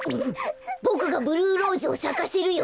ボクがブルーローズをさかせるよ！